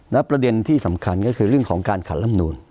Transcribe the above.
และประเด็นที่สำคัญก็คือเรื่องของการขัดลำนูน